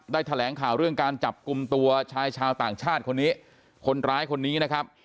แถลงข่าวเรื่องการจับกลุ่มตัวชายชาวต่างชาติคนนี้คนร้ายคนนี้นะครับ